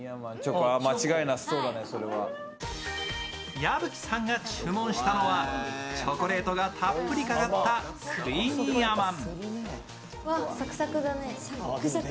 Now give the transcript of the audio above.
矢吹さんが注文したのは、チョコレートがたっぷりかかったクイニーアマン。